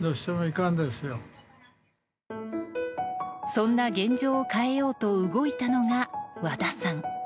そんな現状を変えようと動いたのが和田さん。